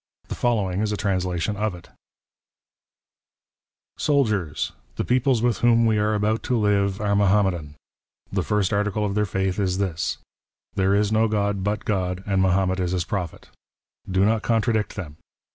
The following is a translation of it :—" Soldiers ! the peoples with whom we are about to live are " Mahommedan. The first article of their faith is this :' There is " no God but God, and Mahomet is his Prophet.' Do not contradict " them.